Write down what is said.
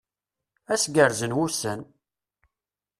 Ad as-gerrzen wussan!